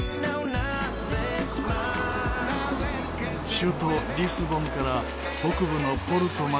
首都リスボンから北部のポルトまで。